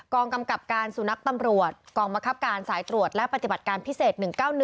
กำกับการสุนัขตำรวจกองบังคับการสายตรวจและปฏิบัติการพิเศษ๑๙๑